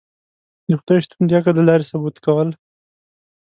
د خدای شتون د عقل له لاری ثبوت کول